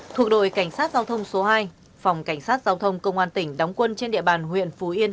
thuộc đội cảnh sát giao thông số hai phòng cảnh sát giao thông công an tỉnh đóng quân trên địa bàn huyện phú yên